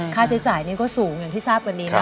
ค่าใช้จ่ายนี่ก็สูงอย่างที่ทราบกันดีนะ